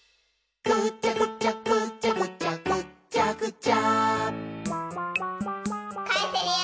「ぐちゃぐちゃぐちゃぐちゃぐっちゃぐちゃ」